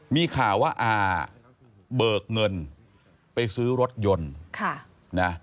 มีข่าวว่าอาเบิกเงินไปซื้อรถยนต์